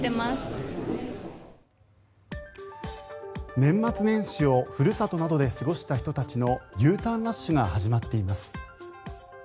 年末年始をふるさとなどで過ごした人たちのＵターンラッシュが始まっています。